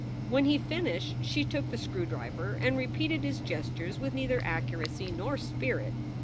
When he finished she took the screw driver and repeated his gestures with neither accuracy nor spirit.